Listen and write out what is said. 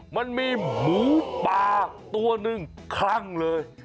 มันมีหมูป่าตัวหนึ่งคลั่งเลย